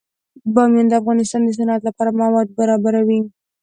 بامیان د افغانستان د صنعت لپاره مواد برابروي.